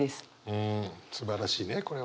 うんすばらしいねこれは。